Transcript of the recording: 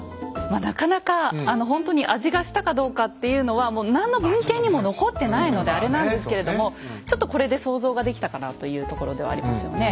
なかなかほんとに味がしたかどうかっていうのはもう何の文献にも残ってないのであれなんですけれどもちょっとこれで想像ができたかなというところではありますよね。